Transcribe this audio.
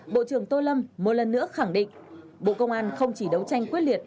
bộ trưởng tô lâm một lần nữa khẳng định bộ công an không chỉ đấu tranh quyết liệt